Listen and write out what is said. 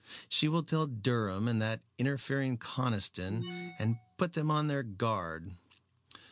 She will tell Durham and that interfering Conniston and put them on their guard.